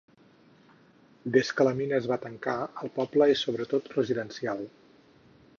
Des que la mina es va tancar, el poble es sobretot residencial.